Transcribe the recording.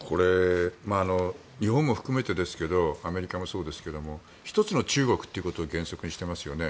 日本も含めてですけどアメリカもそうですけども一つの中国というのを原則にしていますよね。